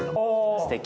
すてき。